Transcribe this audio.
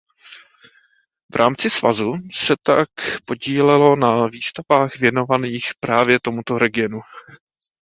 V rámci svazu se tak podílelo na výstavách věnovaných právě tomuto regionu.